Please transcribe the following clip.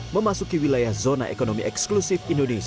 memasuki wilayah zona ekonomi eksklusif indonesia